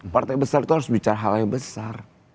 partai besar itu harus bicara hal yang besar